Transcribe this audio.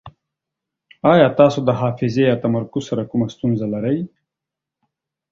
ایا تاسو د حافظې یا تمرکز سره کومه ستونزه لرئ؟